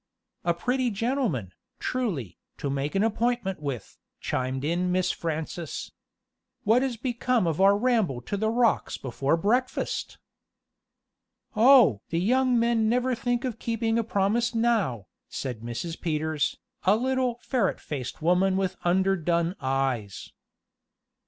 "A pretty gentleman, truly, to make an appointment with," chimed in Miss Frances. "What is become of our ramble to the rocks before breakfast?" "Oh! the young men never think of keeping a promise now," said Mrs. Peters, a little ferret faced woman with underdone eyes.